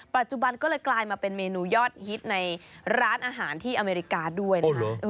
ปัจจุบันก็เลยกลายมาเป็นเมนูยอดฮิตในร้านอาหารที่อเมริกาด้วยนะคะ